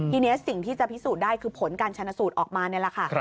ทีนี้สิ่งที่จะพิสูจน์ได้คือผลการชนะสูตรออกมานี่แหละค่ะ